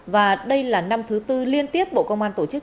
và đây là năm thứ tư liên tiếp bộ công an tổ chức